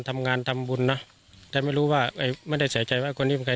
ทำงานทำบุญนะแต่ไม่รู้ว่าไม่ได้ใส่ใจว่าคนนี้เป็นใคร